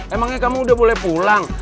emangnya kamu udah boleh pulang